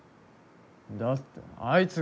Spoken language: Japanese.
だってあいつが。